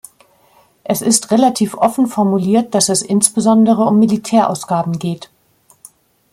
Es ist relativ offen formuliert, dass es insbesondere um Militärausgaben geht.